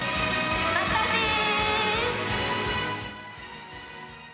またねー。